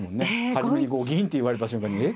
初めに５一銀って言われた瞬間に「え？」